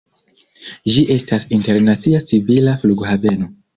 Ĝi estas internacia civila flughaveno.